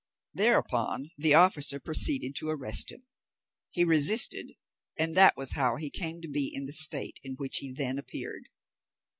Thereupon the officer proceeded to arrest him; he resisted, and that was how he came to be in the state in which he then appeared.